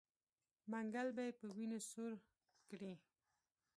منګل به یې په وینو سور کړي.